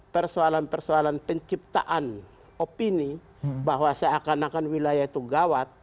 persoalan persoalan penciptaan opini bahwa seakan akan wilayah itu gawat